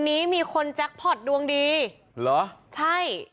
นี่เจ้ามาดู